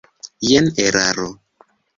Jen eraro.